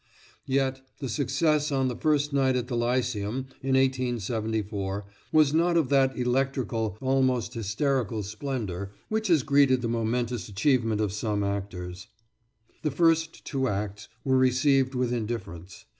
Yet, the success on the first night at the Lyceum, in 1874, was not of that electrical, almost hysterical splendour which has greeted the momentous achievements of some actors. The first two acts were received with indifference.